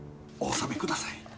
お納めください。